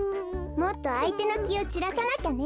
もっとあいてのきをちらさなきゃね。